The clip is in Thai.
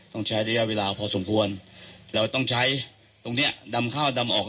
ต้องใช้ระยะเวลาพอสมควรเราต้องใช้ตรงเนี้ยดำข้าวดำออก